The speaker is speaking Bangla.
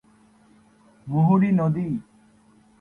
মুহুরী নদী।